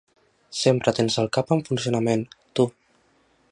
Sempre tens el cap en funcionament, tu.